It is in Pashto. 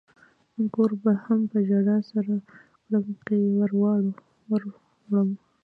ګور به هم په ژړا سر کړم که يې ور وړم.